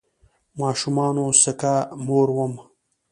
ماشومانو سکه مور وم